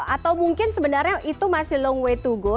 atau mungkin sebenarnya itu masih long way to go